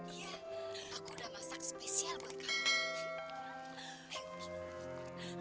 iya aku udah masak spesial buat kamu